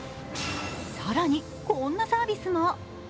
更に、こんなサービスも。